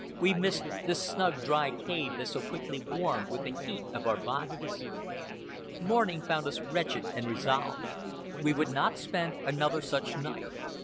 We missed the snug, dry cave that so quickly warmed with the heat of our bodies. Morning found us wretched and resolved. We would not spend another such night.